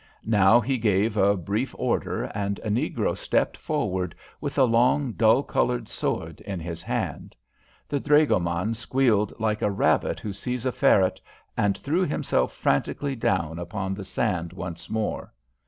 Now he gave a brief order, and a negro stepped forward with a long, dull coloured sword in his hand. The dragoman squealed like a rabbit who sees a ferret, and threw himself frantically down upon the sand once more.